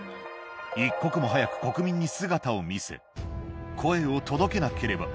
一刻も早く国民に姿を見せ、声を届けなければ。